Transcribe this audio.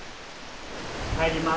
入ります。